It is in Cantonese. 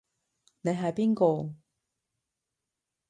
你係邊個？